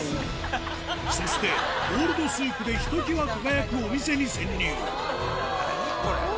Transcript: そしてゴールドスークでひときわ輝くお店に潜入何？